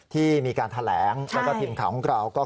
ที่มีการแถลงแล้วก็ทีมข่าวของเราก็